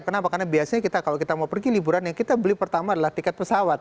kenapa karena biasanya kalau kita mau pergi liburan yang kita beli pertama adalah tiket pesawat